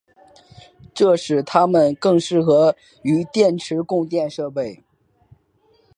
这使它们更适合于电池供电设备。